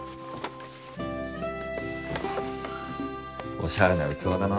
おしゃれな器だな。